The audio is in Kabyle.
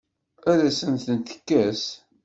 Ad asent-tent-tekkes?